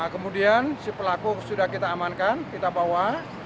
kemudian si pelaku sudah kita amankan kita bawa